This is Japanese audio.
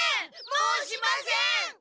もうしません！